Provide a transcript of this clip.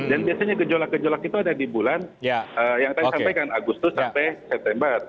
dan biasanya gejolak gejolak itu ada di bulan yang tadi sampai kan agustus sampai september